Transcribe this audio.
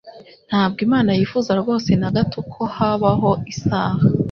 Ntabwo Imana yifuza rwose na gato ko habaho isaha